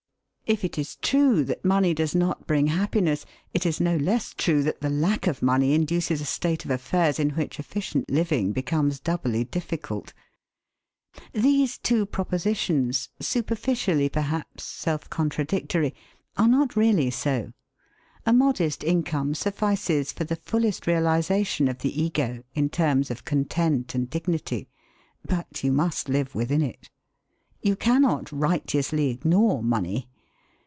If it is true that money does not bring happiness, it is no less true that the lack of money induces a state of affairs in which efficient living becomes doubly difficult. These two propositions, superficially perhaps self contradictory, are not really so. A modest income suffices for the fullest realisation of the Ego in terms of content and dignity; but you must live within it. You cannot righteously ignore money.